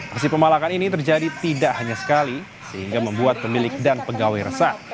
aksi pemalakan ini terjadi tidak hanya sekali sehingga membuat pemilik dan pegawai resah